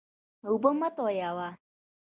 اوبه مه تویوه.